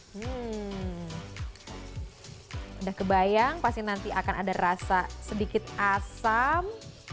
sudah kebayang pasti nanti akan ada rasa sedikit asam